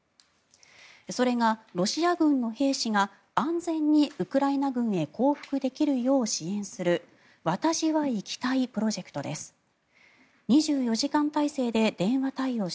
それがロシア軍の兵士が安全にウクライナ軍へ降伏できるよう支援する私は生きたいプロジェクトです。